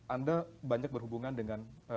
anda banyak berhubungan dengan